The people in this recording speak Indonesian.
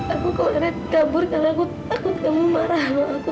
aku kemarin digabur karena aku takut kamu marah sama aku